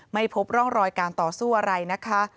ไม่พบร่องรอยการต่อสู้อะไรนะคะ